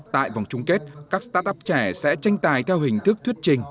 tại vòng chung kết các startup trẻ sẽ tranh tài theo hình thức thuyết trình